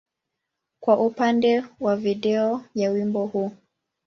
kwa upande wa video ya wimbo huu.